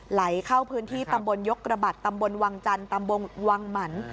ไหลเข้าพื้นที่ตำบลยกระบัดตำบลวังจันทร์ตำบลวังหมัน